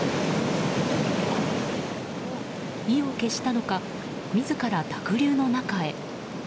意を決したのか、自ら濁流の中へ。